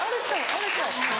あれちゃう？